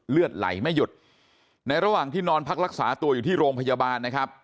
เลือดไหลไม่หยุดในระหว่างที่นอนพักรักษาตัวอยู่ที่โรงพยาบาลนะครับ